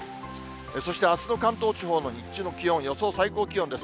そしてあすの関東地方の日中の気温、予想最高気温です。